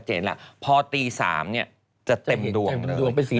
จะไปตีทำไมไม่ต้องไปตี